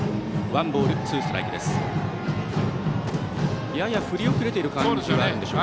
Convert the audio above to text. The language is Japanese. ワンボール、ツーストライクです。